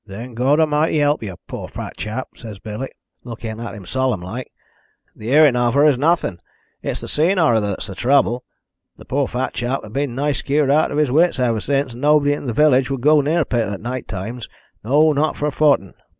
'Then Gawdamighty help yow, poor fat chap,' says Billy, looking at him solemn like. 'The hearin' of her is narthin', it's th' seein' o' her that's the trouble.' The poor fat chap a' been nigh skeered out o' his wits ever since, and nobody in th' village wud go near th' pit a' nighttimes no, not for a fortin.